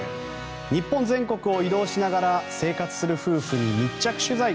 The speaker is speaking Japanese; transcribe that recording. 日本全国を移動しながら生活する夫婦に密着取材。